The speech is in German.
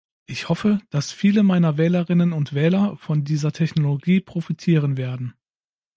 Ich hoffe, dass viele meiner Wählerinnen und Wähler von dieser Technologie profitieren werden.